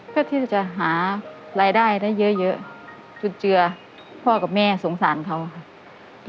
เพื่อที่จะหารายได้ได้เยอะจุนเจือพ่อกับแม่สงสารเขาค่ะ